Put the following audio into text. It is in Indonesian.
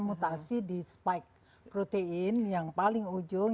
mutasi di spike protein yang paling ujung